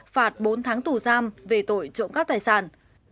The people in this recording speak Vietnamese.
phạt bốn tháng tù giam về tội trộm cắp tài sản